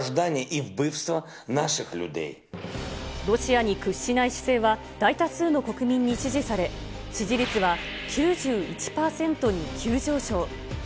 ロシアに屈しない姿勢は、大多数の国民に支持され、支持率は９１％に急上昇。